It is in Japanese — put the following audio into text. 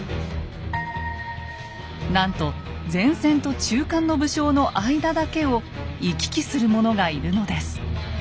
なんと前線と中間の武将の間だけを行き来する者がいるのです。